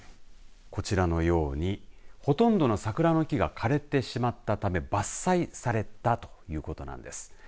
こちらのようにほとんどの桜の木が枯れてしまったため伐採されたということなんです。